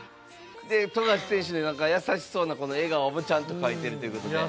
富樫選手、優しそうな笑顔もちゃんと描いてるということで。